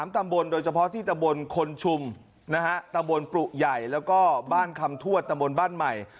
ตำบลโดยเฉพาะที่ตำบลคนชุมนะฮะตำบลปรุใหญ่แล้วก็บ้านคำทวดตำบลบ้านใหม่